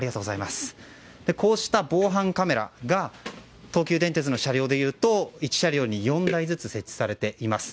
こうした防犯カメラが東急電鉄の車両でいうと１車両に４台ずつ設置されています。